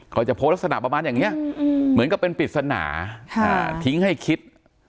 เขาจะโพสต์ลักษณะประมาณอย่างนี้เหมือนกับเป็นปริศนาทิ้งให้คิด